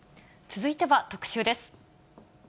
続いては特集です。